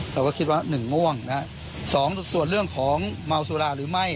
เราก็คิดว่าหนึ่งง่วงนะฮะสองส่วนเรื่องของเมาสุราหรือไม่